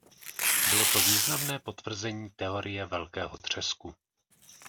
Bylo to významné potvrzení teorie velkého třesku.